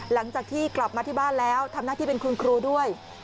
หลังจากที่กลับมาที่บ้านแล้วทำหน้าที่เป็นคุณครูด้วย